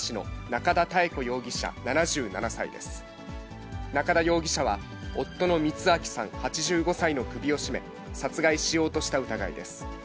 中田容疑者は、夫の光昭さん８５歳の首を絞め、殺害しようとした疑いです。